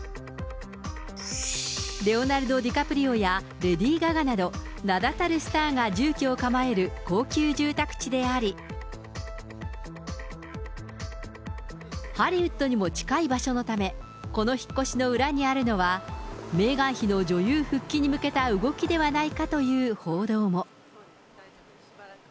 レオナルド・ディカプリオやレディー・ガガなど、名だたるスターが住居を構える高級住宅地であり、ハリウッドにも近い場所のため、この引っ越しの裏にあるのは、メーガン妃の女優復帰に向けた動きではないかという報道も。